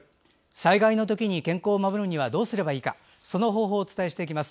災害のときに健康を守るにはどうすればいいかその方法をお伝えしていきます。